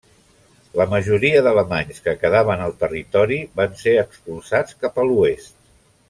La majoria d'alemanys que quedaven al territori van ser expulsats cap a l'oest.